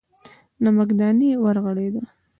نمکدانۍ ورغړېده.